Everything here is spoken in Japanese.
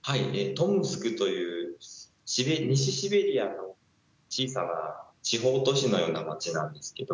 トムスクという西シベリアの小さな地方都市のような町なんですけど。